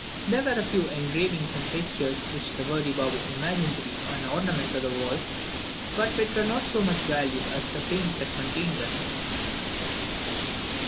There were a few engravings and pictures, which the worthy Baboo imagined to be an ornament to the walls, but which were not of so much value as the frames that contained them.